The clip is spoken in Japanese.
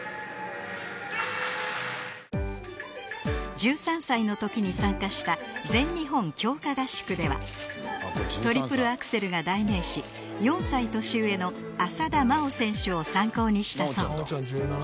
１３歳の時に参加した全日本強化合宿ではトリプルアクセルが代名詞４歳年上の浅田真央選手を参考にしたそう